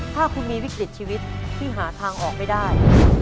ถ้าคุณมีวิกฤตชีวิตที่หาทางออกไม่ได้